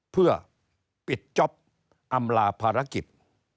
เพื่อปิดจ๊อปอำลาภารกิจ